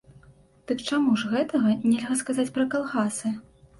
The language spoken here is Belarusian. Дык чаму ж гэтага нельга сказаць пра калгасы?